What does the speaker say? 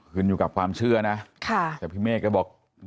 คืนอยู่กับความเชื่อนะแต่พี่เมฆเขาบอกค่ะ